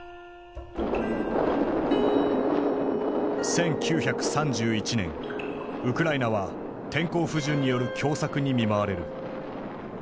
１９３１年ウクライナは天候不順による凶作に見舞われる。